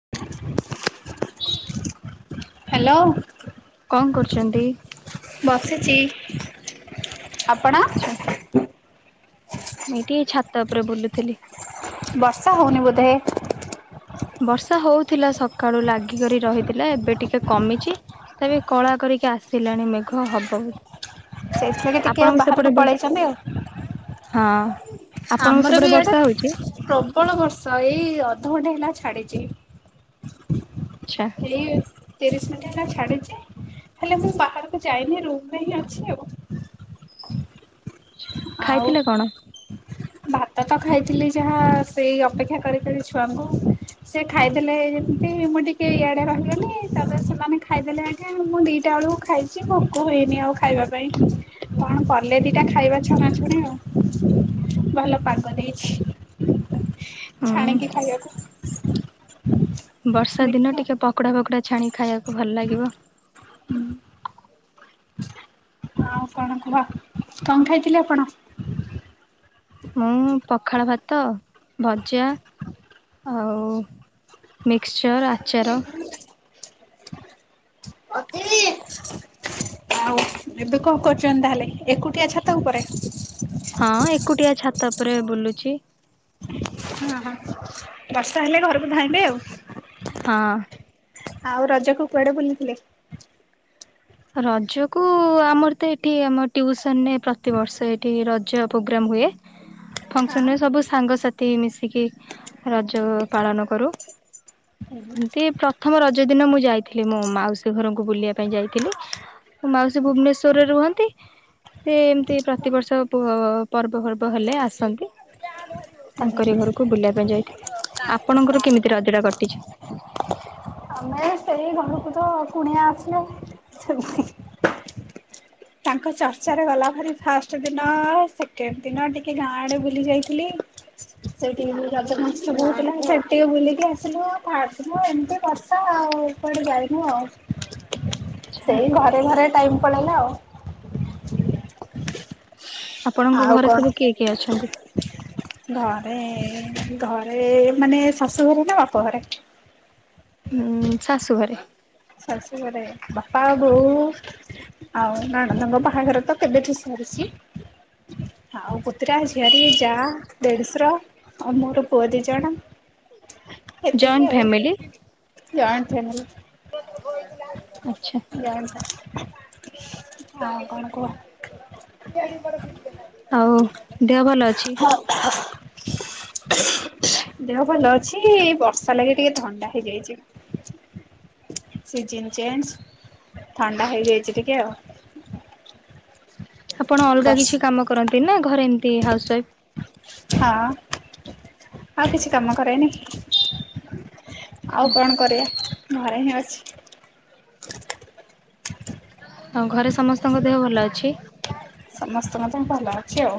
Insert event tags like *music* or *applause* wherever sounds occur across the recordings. ହ *inaudible* *inaudible* ହାଲୋ। କଣ କରୁଛନ୍ତି? ବସିଚି। ଆପଣ? ମୁଁ ଏଇଟି ଛାତ ଓପରେ ବୁଲୁଥିଲି? ବର୍ଷା ହଉନି ବୋଧେ? ବର୍ଷା ହଉଥିଲା ସକାଳୁ ଲାଗିକରି ରହିଥିଲା ଏବେ ଟିକେ କମିଚି। ତା ବିକଳା କରିକି ଆସିଲାଣି ମେଘ ବୋଧେ। ସେଇଥିଲାଗି ଟିକେ ବାହାରୁକୁ ପଳେଇଚନ୍ତି ଆଉ। ହଁ, ଆପଣଙ୍କ ଆମର ବି ସପଟେ ଏଇଟା ବର୍ଷା ହଉଚି? ପ୍ରବଳ ବର୍ଷା ଏଇ ଅଧଘଣ୍ଟା ହେଲା ଛାଡି଼ଚି। ଛା ଏଇ ତିରିଶ ମିଣ୍ଟି ହେଲା ଛାଡି଼ଚି ହେଲେ ମୁଁ ବାହାରୁକୁ ଯାଇନି ରୁମ୍ ରେ ହିଁ ଅଛି ଆଉ। ହ ଆଉ ଭାତ ତ ଖାଇଥିଲି ଯାହା ସେଇ ଅପେକ୍ଷା କରି କରି ଛୁଆଙ୍କୁ। ସେ ଖାଇଦେଲେ ଯେମତି ମୁଁ ଟିକେ ଇଆଡ଼େ ରହିଗଲି ତାପରେ ସେମାନେ ଖାଇଦେଲେ ଏ ମୁଁ ଦିଇଟା ଅଳୁ ଖାଇଚି ଭୋକ ହେଇନି ଆଉ ଖାଇବା ପାଇଁ କଣ କଲେ ଦିଟା ଖାଇବା ଛଣାଛୁଣି ଆଉ ଭଲ ପାଗ ଦେଇଛି। ହୁଁ ଛାଣିକି ଖାଇଆକୁ। ବର୍ଷା ଦିନ ଟିକେ ପକୋଡ଼ା ଫକୋଡ଼ା ଛାଣି ଖାଇଆକୁ ଭଲ ଲାଗିବ। ହୁଁ। ଆଉ କଣ କୁହ। କଁ ଖାଇଥିଲେ ଆପଣ? ମୁଁ ପଖାଳ ଭାତ, ଭଜା। ଆଉ ମିକ୍ସଚର୍, ଆଚାର। ଅତି ବି ଆଉ ଏବେ କଣ କରୁଚନ୍ତି ତାହେଲେ, ଏକୁଟିଆ ଛାତ ଉପରେ? ହଁ ଏକୁଟିଆ ଛାତ ଓପରେ ବୁଲୁଚି। ହଁ, ହଁ, ବର୍ଷା ହେଲେ ଘରୁକୁ ଧାଇଁବେ ଆଉ। ହଁ। ଆଉ ରଜକୁୁ କୁଆଡ଼େ ବୁଲିଥିଲେ? ରଜକୁ ଆମର ତ ଏଠି ଆମ ଟିୟୁସନ୍ ରେ ପ୍ରତିିବର୍ଷ ଏଠି ର ଚ ପ୍ରୋଗ୍ରାମ ହୁଏ, ଫଂକ୍ସନ୍ ରେ ସବୁ ସାଙ୍ଗସାଥି ମିଶିକି ରଜ ପାଳନ କରୁ। ହଁ ହୁଁ ଏମିତି ପ୍ରଥମ ରଜ ଦିନ ମୁଁ ଯାଇଥିଲି ମୋ ମାଉସୀ ଘରଙ୍କୁ ବୁଲିବା ପାଇଁ ଯାଇଥିଲି। ମାଉସୀ ଭୁବନେଶ୍ୱରରେ ରୁହନ୍ତି। ସେ ଏମିତି ପ୍ରତିବର୍ଷ ପର୍ବ ଫର୍ବ ହେଲେ ଆସନ୍ତି। ହୁଁ ତାଙ୍କରି ଘରକୁ ବୁଲିବା ପାଇଁ ଯାଇଥିଲୁ, ଆପଣଙ୍କର କେମିତି ରଜ ଟା କଟିଛି? ଆମେ ସେଇ ଘରକୁ ତ କୁଣିଆ ଆସିଲେ ସେମତି ତାଙ୍କ ଚର୍ଚ୍ଚାରେ ଗଲାଭାରି ଫାଷ୍ଟ ଦିନ ସେକେଣ୍ଡ ଦିନ ଟିକେ ଗାଁ ଆଡେ ବୁଲି ଯାଇଥିଲି। ସେଠି ରଜ ମହୋତ୍ସବ ହଉଥିଲା, ସେଠି ବି ବୁଲିକି ଆସିଲୁ ଆଉ। ଫାଷ୍ଟଦିନ ଏମିତି କଥା ଆଉ କୁଆଡେ ଯାଇନୁ ଆଉ ଆଛା ସେଇ ଘ ଘରେ ଟାଇମ୍ ପଳେଇଲା ଆଉ। ଆପଣଙ୍କ ଆଉ ଘରେ କଣ ସବୁ କିଏ କିଏ ଅଛନ୍ତି? ଘରେ ଘରେ ମାନେ ଶାଶୁ ଘରେ ନା ବାପ ଘରେ? ହୁଁ ଶାଶୁ ଘରେ? ଶାଶୁ ଘରେ ବାପା ବୋଉ। ଆଉ ନଣନ୍ଦଙ୍କ ବାହାଘର ତ କେବେ ଠୁ ସରିଛି। ଆଉ ପୁତୁରା ଝିଆରୀ ଯା ଦେଢଶୁର ଆଉ ମୋର ପୁଅ ଦି ଜଣ। ଜଏଣ୍ଟ ସେତିକି ଆଉ ଫ୍ୟାମିଲି ଜଏଣ୍ଟ ଫ୍ୟାମିଲୀ। *inaudible* *unintelligible* ଆଉ କଣ କୁହ? ହଉ ଦେହ ଭଲ ଅଛି? ଓ ହଁ ହଁ ହଁ ଦେହ ଭଲ ଅଛି ବର୍ଷା ଲାଗି ଟିକେ ଥଣ୍ଡା ହେଇଯାଇଛି। ସିଜିନ ଚେଞ୍ଜ ଥଣ୍ଡା ହେଇଯାଇଛି ଟିକେ ଆଉ। ଆପଣ ଅଲଗା ବର୍ଷ କିଛି କାମ କରନ୍ତି ନା ଘରେ ଏମତି ହାଉସ୍ ୱାଇଫ? ହଁ ଆଉ କିଛି କାମ କରେନି। ଆଉ କଣ କରିବା ଘରେ ହିଁ ଅଛି। ଆଉ ଘରେ ସମସ୍ତଙ୍କ ଦେହ ଭଲ ଅଛି? ସମସ୍ତଙ୍କ ଦେହ ଭଲ ଅଛି ଆଉ।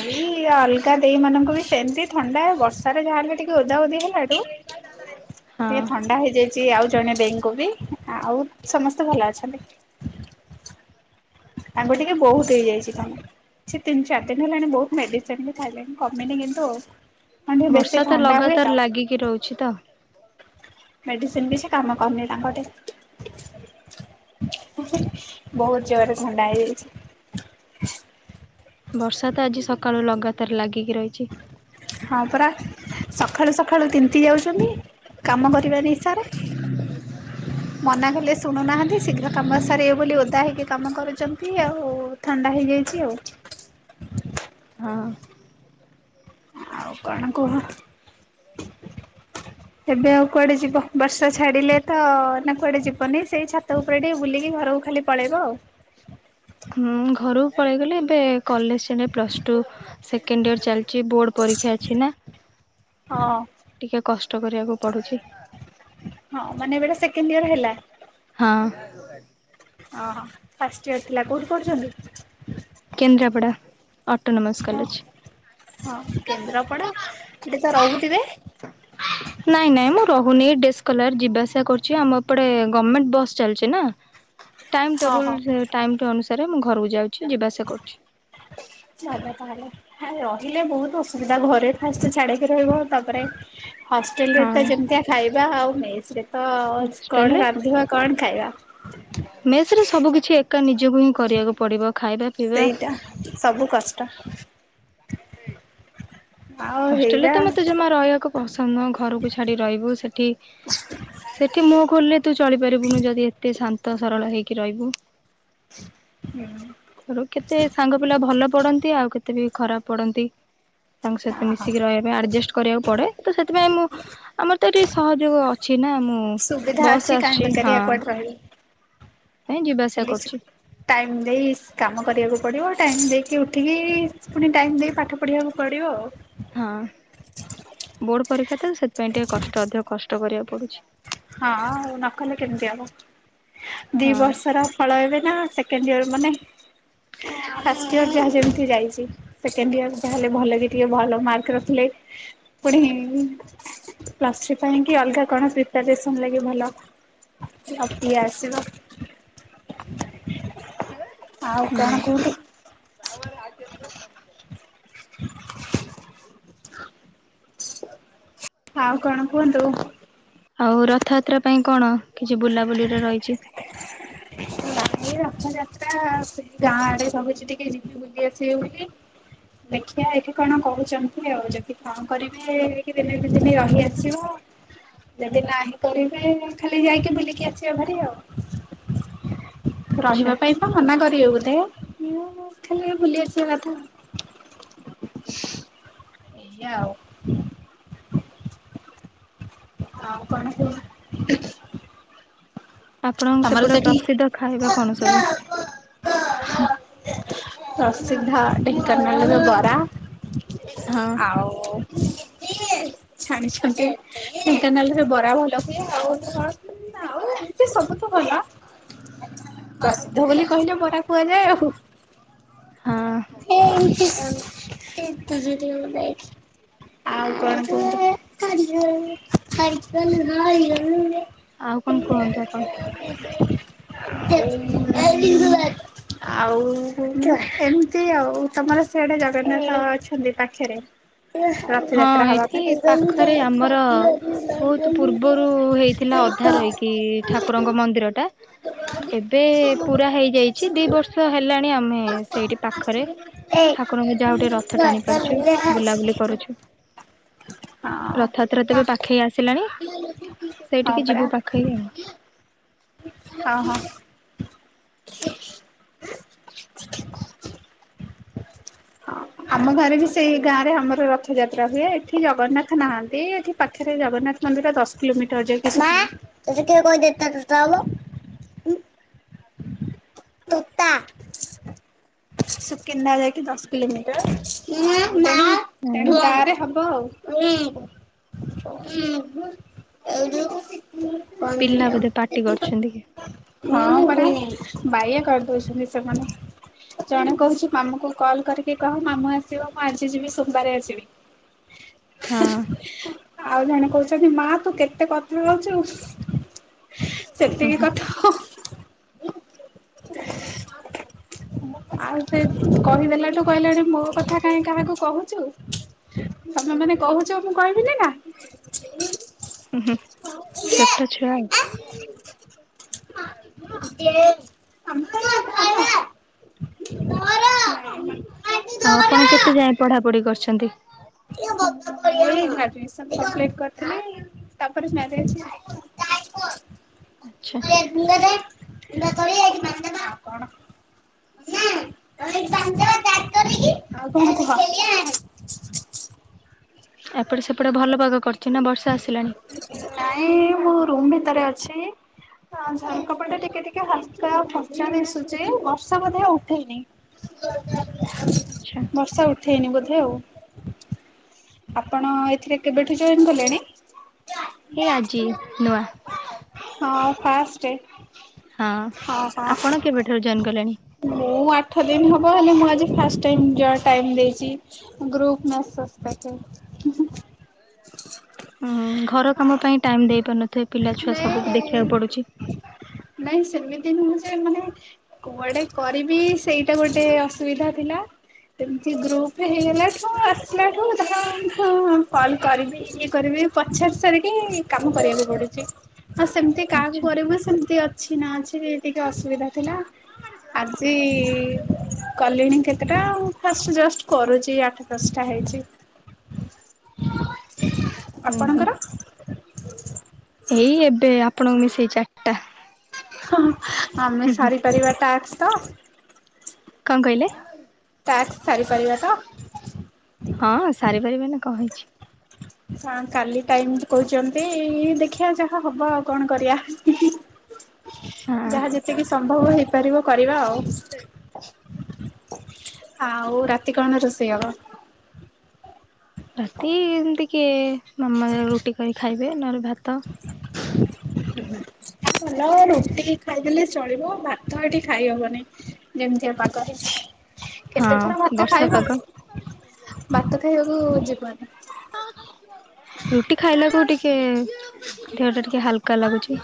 ଏଇ ଅଲଗା ଦେଇ ମାନଙ୍କୁ ବି ସେମିତି ଥଣ୍ଡା ବର୍ଷାରେ ଯାହା ହେଲେ ଟିକେ ଓଦା ଓଦି ହେଲାଠୁ। *inaudible* ଟିକେ ଥଣ୍ଡା ହେଇଯାଇଛି ଆଉ ଜଣେ ଦେଇଙ୍କୁ ବି ଆଉ ସମସ୍ତେ ଭଲ ଅଛନ୍ତି। ତାଙ୍କୁ ଟିକେ ବହୁତ ହେଇଯାଇଛି ଥଣ୍ଡା। ସେ ତିନି ଚାରି ଦିନ ହେଲାଣି ବହୁତ ମେଡିସିନ ବି ଖାଇଲେଣି କମିନି କିନ୍ତୁ ଆଉ। ହଁ ଟିକେ ବେଶୀ ବର୍ଷା ତ ଥଣ୍ଡା ହୁଏ ତ ଲଗାତାର ଲାଗିକି ରହୁଛି ତ। ମେଡିସିନ ବି କିଛି କାମ କରୁନି ତାଙ୍କଠେ। ବହୁତ ଜୋରରେ ଥଣ୍ଡା ହେଇଯାଇଛି। ବର୍ଷା ତ ଆଜି ସକାଳୁ ଲଗାତାର ଲାଗିକି ରହିଛି। ହଁ ପରା ସଖାଳୁ ସଖାଳୁ ତିନ୍ତି ଯାଉଛନ୍ତି। କାମ କରିବା ନିଶାରେ। ମନା କଲେ ଶୁଣୁନାହାନ୍ତି ଶୀଘ୍ର କାମ ସାରିବେ ବୋଲି ଓଦା ହୋଇକି କାମ କରୁଛନ୍ତି ଆଉ। ଥଣ୍ଡା ହେଇଯାଇଛି ଆଉ। ହଁ। ଆଉ କଣ କୁହ? ଏବେ ଆଉ କୁଆଡେ ଯିବ ବର୍ଷା ଛାଡ଼ିଲେ ତ ନା କୁଆଡେ ଯିବନି ସେଇ ଛାତ ଉପରେ ଟିକେ ବୁଲିକି ଘରକୁ ଖାଲି ପଳେଇବ ଆଉ। ହୁଁ ଘରକୁ ପଳେଇଗଲି ଏବେ କଲେଜ ଏବେ ପ୍ଲସ୍ ଟୁ ସେକେଣ୍ଡ ଇୟର ଚାଲିଛି ବୋର୍ଡ଼ ପରୀକ୍ଷା ଅଛି ନା। ହଁ। ଟିକେ କଷ୍ଟ କରିବାକୁ ପଡୁଛି। ହଁ ମାନେ ଏବେ ସେକେଣ୍ଡ ଇୟର ହେଲା? ହଁ। ଅହ ଫାଷ୍ଟ ଇୟର ଥିଲା କୋଉଠି କରୁଛନ୍ତି? କେନ୍ଦ୍ରାପଡ଼ା। Autonomous college. ହଁ କେନ୍ଦ୍ରାପଡ଼ା ଏଠି ତ ରହୁଥିବେ? ନାଇଁ ନାଇଁ ମୁଁ ରହୁନି ଡେସକଲାର୍ ଯିବା ଆସିବା କରୁଛି। ଆମଏପଟେ ଗମେଣ୍ଟ ବସ୍ ଚାଲିଛି ନା। ଟାଇମ୍ ହଁ ହଁ ଟେବୁଲ ଟାଇମ୍ ଅନୁସାରେ ମୁଁ ଘରକୁ ଯାଉଛି। ଯିବା ଆସିବା କରୁଛି। ଚାଲ ତାହାଲେ। ହେ ରହିଲେ ବହୁତ ଅସୁବିଧା ଘରେ ଫାଷ୍ଟ ଛାଡିକି ରହିବ। ତାପରେ ହଷ୍ଟେଲରେ ତ ଯେମିତିକା ଖାଇବା ଆଉ ମେସରେ ତ କଣ ହଷ୍ଟେଲରେ ରାନ୍ଧିବା କଣ ଖାଇବା। ମେସରେ ସବୁ କିଛି ଏକା ନିଜକୁ ହିଁ କରିବାକୁ ପଡିବ ଖାଇବା। ପିଇବା ସେଇଟା ସବୁ କଷ୍ଟ। ଆଉ ହଷ୍ଟେଲ୍ ରେ ହେଇରା ତ ମତେ ଜମା ରହିବାକୁ ପସନ୍ଦ ନୁହଁ ଘରକୁ ଛାଡ଼ି ରହିବୁ। ସେଠି ସେଠି ମୁଁହ ଖୋଲିଲେ ତୁ ଚଳିପାରିବୁନୁ ଯଦି ଏତେ ଶାନ୍ତ ସରଳ ହେଇକି ରହିବୁ। ହୁଁ। କେତେ ସାଙ୍ଗ ପିଲା ଭଲ ପଡନ୍ତି ଆଉ କେତେ ବି ଖରାପ ପଡନ୍ତି। ତାଙ୍କ ସହିତ ହଁ ହଁ ମିଶିକି ରହିବା ପାଇଁ ଆଡର୍ଜେଷ୍ଟ କରିବାକୁ ପଡେ। ତ ସେଥିପାଇଁ ମୁଁ ଆମର ତ ଏ ଟିକେ ସହଯୋଗ ଅଛି ନା ମୁଁ ବସ୍ ଆସିଛି ହଁ। ହେଇଟା ନାଇଁ ଯିବା ଆସିବା କରୁଛି। ଟାଇମ୍ ଦେଇ କାମ କରିବାକୁ ପଡ଼ିବ। ଟାଇମ୍ ଦେଇକି ଉଠିକି ଫୁଣି ଟାଇମ୍ ଦେଇ ପାଠ ପଢିବାକୁ ପଡିବ ଆଉ। ହଁ ବୋର୍ଡ ପରୀକ୍ଷା ତ ସେଥିପାଇଁ ଟିକେ କଷ୍ଟ ଅଧିକ କଷ୍ଟ କରିବାକୁ ପଡୁଛି। ହଁ ଆଉ ନକଲେ କେମିତି ହବ? ଦି ହଁ। ବର୍ଷର। ଫଳ ଏବେ ନା ସେକେଣ୍ଡ ଇୟର ମାନେ ଫାଷ୍ଟ ଇୟର ଯାହା ଯେମିତି ଯାଇଛି। ସେକେଣ୍ଡ ଇୟର ଯାହେଲେ ଭଲ ବି ଟିକେ ଭଲ ମାର୍କ ରଖିଲେ ପୁଣି ପ୍ଲସ ଥ୍ରି ପାଇଁ କି ଅଲଗା କଣ ସେ ବେସନ ଲାଗେ ଭଲ ଆଉ କିଏ ଆସିବ? ଆଉ କଣ କୁହୁ ତାପରେ ଆଉ କିଏ ଆସିବା? *inaudible* ଆଉ କଣ କୁହନ୍ତୁ? ଆଉ ରଥଯାତ୍ରା ପାଇଁ କଣ କିଛି ବୁଲାବୁଲିରେ ରହିଛି। ଏଇ ରଥଯାତ୍ରା ସେ ଗାଁ ଆଡେ ସବୁଛି ଟିକେ ଯିବି ବୁଲି ଆସିବେ ବୋଲି। ଦେଖିଆ ଏଠି କଣ କହୁଛନ୍ତି ଆଉ ଯଦି ହଁ କରିବେ କି ଦିନେ ଦିଦିନି ରହିଆସିବା। ଯଦି ନାହିଁ କରିବେ ଖାଲି ଯାଇକି ବୁଲିକି ଆସିବା ଭାରି ଆଉ। ଆଛା। ରହିବା ପାଇଁ ତ ମନା କରିବେ ବୋଧେ ଖାଲି ବୁଲି ଆସିବା କଥା। ଏଇଆ ଆଉ। ଆଉ କଣ କୁହ? *inaudible* ଆପଣଙ୍କ ତମର ସେପଟେ ସେଠି ପ୍ରସିଦ୍ଧ ଖାଇବା କଣ ସବୁ? ପ୍ରସିଦ୍ଧ ଢେଙ୍କାନାଳର ବରା। ହଁ। ଆଉ ଛାଣିଛନ୍ତି ଢେଙ୍କାନାଳରେ ବରା ଭଲ ହୁଏ ଆଉ କଣ? ସେ ସବୁ ତ ଭଲ। ପ୍ରସିଦ୍ଧ ବୋଲି କହିଲେ ବରା କୁହାଯାଏ ଆଉ। ହଁ *unintelligible* ଆଣ କଣ କୁହନ୍ତୁ? ଆଉ କଣ କୁହନ୍ତୁ ଆପଣ? ଆଉ ଆଉ ଏମିତି ଆଉ ତମର ସିଆଡେ ଜଗନ୍ନାଥ ଅଛନ୍ତି ପାଖେରେ? ଏ ହଁ ଏଠି ପାଖରେ ଆମର ବହୁତ ପୂର୍ବରୁ ହେଇଥିଲା ଅଧା ରହିକି କି ଠାକୁରଙ୍କ ମନ୍ଦିର ଟା ଏବେ ପୁରା ହେଇଯାଇଛି ଦି ବର୍ଷ ହେଲାଣି ଆମେ ଏ ସେଇଠି ପାଖରେ ଠାକୁରଙ୍କୁ ଯାହାହଉ ଟିକେ ରଥ ଟାଣି ପାରୁଛୁ ବୁଲାବୁଲି କରୁଛୁ। ହଁ। ରଥଯାତ୍ରା ତେବେ ପାଖେଇ ଆସିଲାଣି ହଁ ସେଇଠିକି ପରା ଯିବୁ ପାଖରେ ଆଉ। ହଁ ହଁ। ସେଠି କହୁଚି ହଁ। ଆମ ଘରେ ବି ସେଇ ଗାଁ ରେ ଆମର ରଥଯାତ୍ରା ହୁଏ ଏଠି ଜଗନ୍ନାଥ ନାହାନ୍ତି ଏଠି ପାଖେରେ ଜଗନ୍ନାଥ ମନ୍ଦିର ଦଶ କିଲୋମିଟର ଯାଇକି ସେଠି। ତତେ କିଏ କହି ଦେ *inaudible* ତୋତା *inaudible* ସୁକିନ୍ଦା ଯାଇକି ଦଶ କିଲୋମିଟର *unintelligible* ହଁ ତେଣୁ ଗାଁ ରେ ହବ ଆଉ। *unintelligible* ହଁ ପିଲା ବୋଧେ ପରା ପାଟି କରୁଛନ୍ତି କି ବାଇୟା କରିଦଉଛନ୍ତି ସେମାନେ। ଜଣେ କହୁଛି ମାମୁଁକୁ କଲ୍ କରିକି କହ ମାମୁଁ ଆସିବ ମୁଁ ଆଜି ଯିବି ସୋମବାରେ ଆସିବି। ହଁ ଆଉ ଜଣେ କହୁଛନ୍ତି ମା ତୁ କେ ତେ କଥା ହଉଛୁ ସେତିକି କଥା ହ। ଆଉ ସେ କହିଦେଲାଠୁ କହିଲେଣି ମୋ କଥା କାହିଁ କାହାକୁ କହୁଛୁ? ତମେମାନେ କହୁଛ ମୁଁ କହିବିନି ନା! ହୁଁ ହୁଁ ଛୋଟ ଛୁଆ ଆଉ। *inaudible* ନାଇଁ ମାମ୍। ଆଉ ଆପଣ କେତେ ଯାଏ ପଢାପଢି କରିଛନ୍ତି? ଏଇ ଗ୍ରାଜୁଏସନ୍ କଂପ୍ଲିଟ୍ କରିଥିଲି। ତାପରେ ମ୍ୟାରେଜ। ଆଚ୍ଛା। *inaudible* ଆଉ ଆପଣ? ଆଉ କଣ କୁହ? ଏପଟେ ସେପଟେ ଭଲ ପାଗ କରିଛି ନା ବର୍ଷା ଆସିଲାଣି? ନାଇଁ ମୁଁ ରୁମ୍ ଭିତରେ ଅଛି। ହଁ ଝରକା ପଟେ ଟିକେ ଟିକେ ହାଲକା ଫର୍ଚା ଦିଶୁଛି ବର୍ଷା ବୋଧେ ଉଠେଇନି। *inaudible* ଆଚ୍ଛା। ବର୍ଷା ଉଠେଇନି ବୋଧେ ଆଉ। ଆପଣ ଏଥିରେ କେବେଠୁ ଜଏନ୍ କଲେଣି? ଏ ଆଜି ନୂଆ। ହଁ ଫାଷ୍ଟେ। ହଁ ହଁ ହଁ ଆପଣ କେବେଠାରୁ ଜଏନ୍ କଲେଣି? ମୁଁ ଆଠ ଦିନ ହବ ହେଲେ ମୁଁ ଆଜି ଫାଷ୍ଟ ଟାଇମ୍ ଯ ଟାଇମ ଦେଇଛି। ଗ୍ରୁପ ମେସେଜ ପାଇକି। ହୁଁ ହୁଁ ଘର କାମ ପାଇଁ ଟାଇମ ଦେଇ ପାରୁନଥିବେ ପିଲା ଛୁଆ ସବୁ ନାଇଁ ଦେଖିଆକୁ ପଡୁଛି। ନାଇଁ ସେମିତି ନୁହଁ ଯେ ମାନେ କୁଆଡେ କରିବି ସେଇଟା ଗୋଟେ ଅସୁବିଧା ଥିଲା। ଏମିତି ଗ୍ରୁପ ହେଇଗଲାଠୁ ଆସିଲାଠୁ *unintelligible* କଲ କରିବି ଇଏ କରିବି ପ *unintelligible* ସାରିକି କାମ କରିବାକୁ ପଡୁଛି ଆଉ ସେମିତି କାହାକୁ ଆଚ୍ଛା କରିବୁ ସେମିତି ଅ କିଛି ନା ଅଛି ଟିକେ ଅସୁବିଧା ଥିଲା। ଆଜି କଲିଣି କେତେଟା ଫା ଜଷ୍ଟ କରୁଚି ଆଠ ଦଶଟା ହେଇଚି। ଉଁ ହୁଁ ଆପଣଙ୍କର? ଏଇ ଏବେ ଆପଣଙ୍କୁ ମିଶେଇ ଚା ଆମେ ସାରିପାରିବା ଟାସ ତ? କଣ କହିଲେ? ଟାସ୍କ ସାରିପାରିବା ତ? ହଁ ସାରିପାରିବାନି କଁ ହେଇଚି। କାଲି ଟାଇମ କହୁଚନ୍ତି ଦେଖିବା ଯାହା ହବ ଆଉ କଣ କରିବା। ହଁ। ଯାହା ଯେତିକି ସମ୍ଭବ ହେଇପାରିବ କରିବା ଆଉ। *inaudible* ଆଉ ରାତି କଣ ରୋଷେଇ ହେବ? ରାତି ଏମିତି କିଏ ନ ମ ରୁଟି କରି ଖାଇବେ ନହେଲେ ଭାତ। *inaudible* ଭଲ ରୁଟି ଖାଇଦେଲେ ଚଳିବ ଭାତ ଏଠି ଖାଇହବନି। ଯେମିତିଆ ପାଗ ହେଇଚି। କେତେଥର ହଁ ଭାତ ବର୍ଷା ଖାଇବ? ପାଗ ଭାତ ଖାଇବାକୁ ଯିବନି। ରୁଟି ଖାଇଲାକୁ ଟିକେ ଦେହ ଟା ଟିକେ ହାଲକା ଲାଗୁଚି।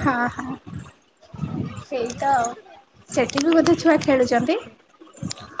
ହଁ ହଁ ସେଇ ତ ଆଉ। ସେଠି ବି ବୋଧେ ଛୁଆ ଖେଳୁଚନ୍ତି?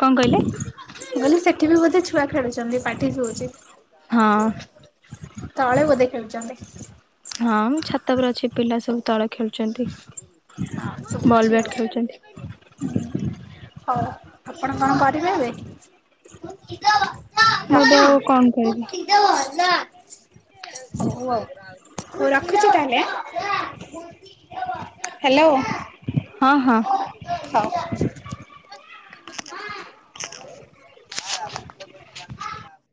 କଣ କହିଲେ? କହିଲି ସେଠି ବି ବୋଧେ ଛୁଆ ଖେଳୁଚନ୍ତି ପାଟି ସୁବୁଚି। ହଁ। ତଳେ ବୋଧେ ଖେଳୁଚନ୍ତି? ହଁ ମୁଁ ଛାତ ଉପରେ ଅଛି ପିଲା ସବୁ ତଳେ ଖେଳୁଚନ୍ତି। ହଁ ଶୁୁବୁଚି ଆଉ। ହଉ ଆପଣ କଣ କରିବେ ଏବେ? *inaudible* ମୁଁ ଏବେ ଆଉ କଣ କରିବି ହଉ ଆଉ ରଖୁଚି ତାହେଲେ? ହ୍ୟାଲୋ? ହଁ ହଁ। ହଉ। *inaudible*